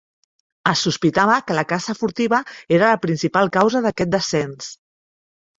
Es sospitava que la caça furtiva era la principal causa d'aquest descens.